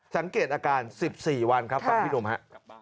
สังเกตอาการ๑๔วันครับฟังพี่หนุ่มฮะ